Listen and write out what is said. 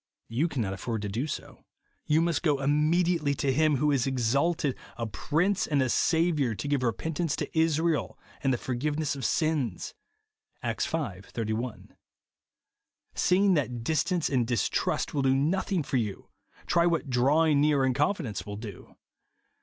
You cannot afford to do so. You must go immediately to Him who is exalted " a Prince and a Saviour, to give repentance to Israel, and the forgiveness of sins," (Acts v. 31). See insc that distance and distrust will do no thing for you, try what " drawing near " and confidence will do.